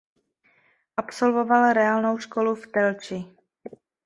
Absolvoval reálnou školu v Telči.